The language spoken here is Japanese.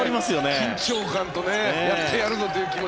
緊張感とやってやるぞという気持ち。